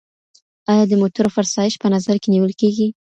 ایا د موټرو فرسایش په نظر کي نیول کیږي؟